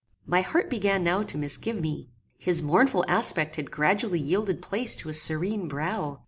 My heart began now to misgive me. His mournful aspect had gradually yielded place to a serene brow.